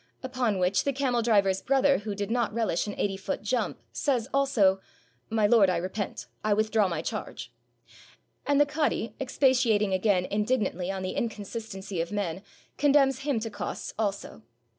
Upon which the camel driver's brother, who did not relish an eighty foot jump, says also, "My lord, I repent; I withdraw my charge." And the cadi, expatiating again indignantly on the inconsistency of men, condemns him to costs also.